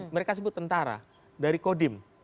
mereka sebut tentara dari kodim